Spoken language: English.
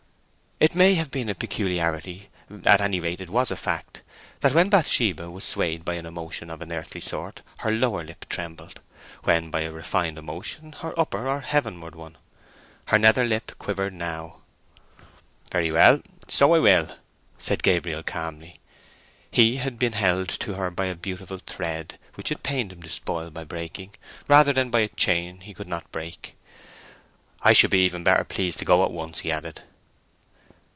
It may have been a peculiarity—at any rate it was a fact—that when Bathsheba was swayed by an emotion of an earthly sort her lower lip trembled: when by a refined emotion, her upper or heavenward one. Her nether lip quivered now. "Very well, so I will," said Gabriel calmly. He had been held to her by a beautiful thread which it pained him to spoil by breaking, rather than by a chain he could not break. "I should be even better pleased to go at once," he added.